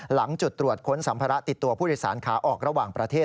หลังจุดตรวจค้นสัมภาระติดตัวผู้โดยสารขาออกระหว่างประเทศ